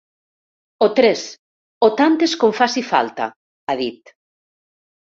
O tres, o tantes com faci falta, ha dit.